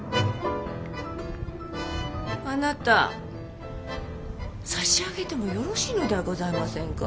あなた差し上げてもよろしいのではございませんか。